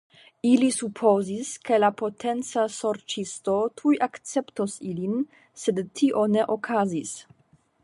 Ili supozis ke la Potenca Sorĉisto tuj akceptos ilin, sed tio ne okazis.